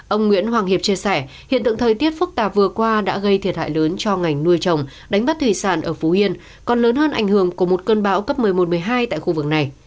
ông nguyễn hoàng hiệp chia sẻ hiện tượng thời tiết phức tạp vừa qua đã gây thiệt hại lớn cho ngành nuôi trồng đánh bắt thủy sản ở phú yên còn lớn hơn ảnh hưởng của một cơn bão cấp một mươi một một mươi hai tại khu vực này